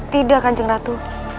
tidak kanjeng ratu